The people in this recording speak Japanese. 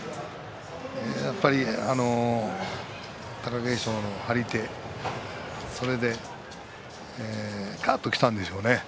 やはり貴景勝の張り手それでね、かーっときたんでしょうね。